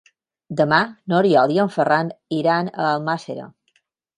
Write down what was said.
Demà n'Oriol i en Ferran iran a Almàssera.